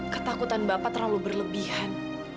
ketakutan bapak terlalu berlebihan